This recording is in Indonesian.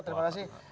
terima kasih bang adi